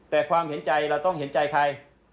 แต่ความเห็นใจเราต้องเห็นใจใคร